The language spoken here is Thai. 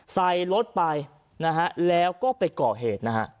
ใส่รถไปนะฮะแล้วก็ไปก่อเหตุนะฮะ